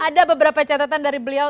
ada beberapa catatan dari beliau